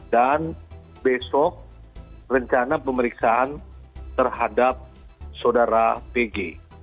dan besok rencana pemeriksaan terhadap sodara pg